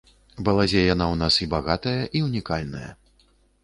Балазе яна ў нас і багатая, і ўнікальная.